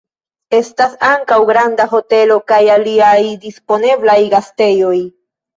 Estas ankaŭ granda hotelo kaj aliaj disponeblaj gastejoj.